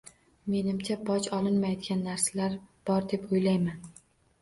Menimcha boj olinmaydigan narsalar bor deb o’ylayman.